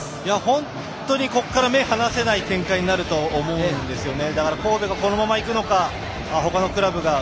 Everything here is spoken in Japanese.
本当にここから目が離せない展開になると思うんですよね。